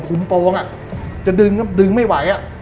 คุ้มโป้งอ่ะจะดึงดึงไม่ไหวอ่ะ